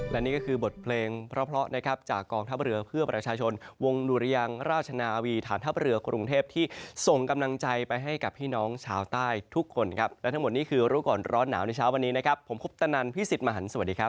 และนี่ก็คือบทเพลงเพราะนะครับจากกองทัพเรือเพื่อประชาชนวงดุรยังราชนาวีฐานทัพเรือกรุงเทพที่ส่งกำลังใจไปให้กับพี่น้องชาวใต้ทุกคนครับและทั้งหมดนี้คือรู้ก่อนร้อนหนาวในเช้าวันนี้นะครับผมคุปตนันพี่สิทธิ์มหันฯสวัสดีครับ